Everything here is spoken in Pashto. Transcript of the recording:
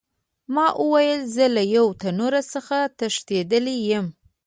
ما ویل زه له یو تنور څخه تښتېدلی یم.